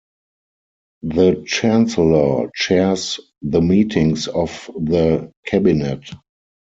The Chancellor chairs the meetings of the cabinet.